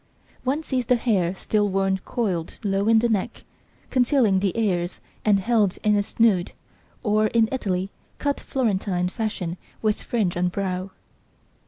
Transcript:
One sees the hair still worn coiled low in the neck, concealing the ears and held in a snood or in Italy cut "Florentine" fashion with fringe on brow.